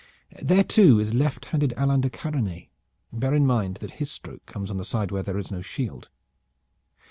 There too is left handed Alain de Karanais; bear in mind that his stroke comes on the side where there is no shield."